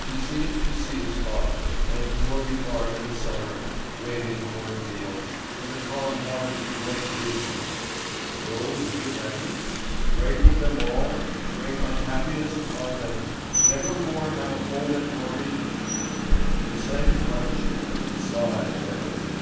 He seemed to see his father, and Norby Farm in the summer, waving cornfields, and the calm waters of Lake Mjösen. Go and give evidence? Break with them all? Bring unhappiness upon them? Never more have a home at Norby? He sank upon a chair and sighed heavily.